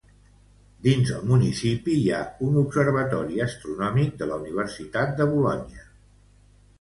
Dins el municipi hi ha un observatori astronòmic de la Universitat de Bolonya.